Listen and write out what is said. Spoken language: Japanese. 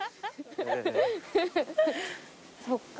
そっか。